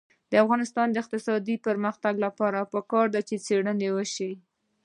د افغانستان د اقتصادي پرمختګ لپاره پکار ده چې څېړنې وشي.